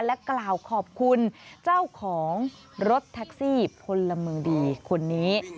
และกล่าวขอบคุณเจ้าของรถแท็กซี่พลเมืองดีคนนี้